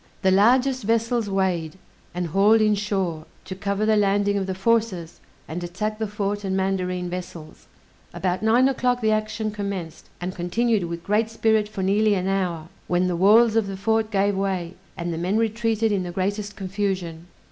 The largest vessels weighed, and hauled in shore, to cover the landing of the forces, and attack the fort and mandarine vessels. About nine o'clock the action commenced, and continued with great spirit for nearly an hour, when the walls of the fort gave way, and the men retreated in the greatest confusion.